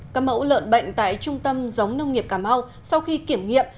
các mẫu lợn bệnh tại trung tâm giống nông nghiệp cà mau sau khi kiểm nghiệm